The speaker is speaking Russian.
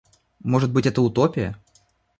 Может быть, это утопия.